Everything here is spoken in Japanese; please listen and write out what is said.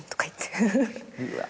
うわ。